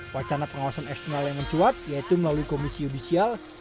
wacana pengawasan eksternal yang mencuat yaitu melalui komisi yudisial